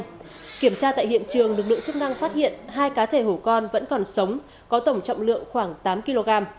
khi kiểm tra tại hiện trường lực lượng chức năng phát hiện hai cá thể hổ con vẫn còn sống có tổng trọng lượng khoảng tám kg